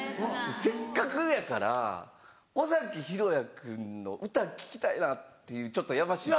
せっかくやから尾崎裕哉君の歌聴きたいなっていうちょっとやましい。